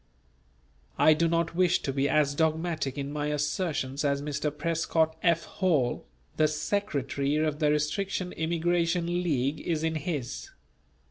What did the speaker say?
I do not wish to be as dogmatic in my assertions as Mr. Prescott F. Hall, the Secretary of the Restriction Immigration League is in his.